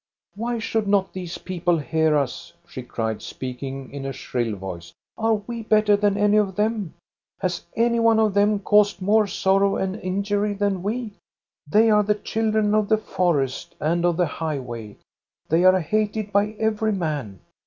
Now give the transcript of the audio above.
" Why should not these people hear us? " she cried, speaking in a shrill voice. " Are we better than any of them? Has anyone of them caused more sorrow and injury than we? They are the children of the forest, and of the highway ; they are hated by every man.